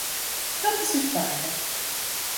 Dat is ús pake.